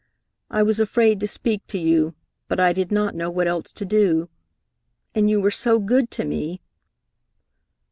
I was afraid to speak to you, but I did not know what else to do, and you were so good to me